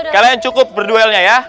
kalian cukup berduelnya ya